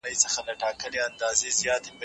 دواړه اخلاق ارزښتمن ګڼي.